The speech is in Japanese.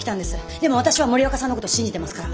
でも私は森若さんのこと信じてますから！